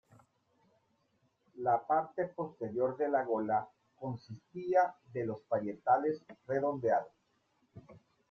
La parte posterior de la gola consistía de los parietales redondeados.